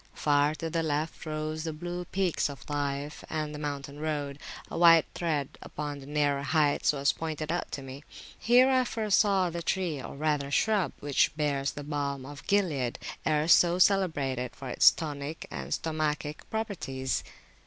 Far to the left rose the blue peaks of Taif, and the mountain road, a white thread upon the nearer heights, was pointed out to me. Here I first saw the tree, or rather shrub, which bears the balm of Gilead, erst so celebrated for its tonic and stomachic properties.